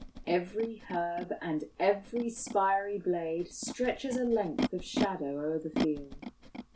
" Every herb and every spiry blade Stretches a length of shadow o'er the field."